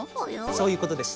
そういうことです。